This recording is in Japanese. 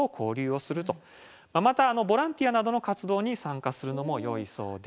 またボランティアなどの活動に参加するのもよいそうです。